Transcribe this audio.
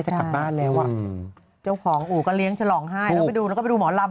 กลับบ้านแล้วอ่ะเจ้าของอู่ก็เลี้ยงฉลองให้แล้วไปดูแล้วก็ไปดูหมอลำ